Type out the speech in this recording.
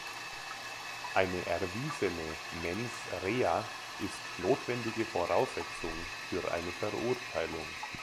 Eine erwiesene mens rea ist notwendige Voraussetzung für eine Verurteilung.